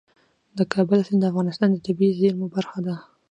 د کابل سیند د افغانستان د طبیعي زیرمو برخه ده.